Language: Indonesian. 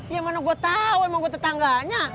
ya mana gua tau emang gua tetangganya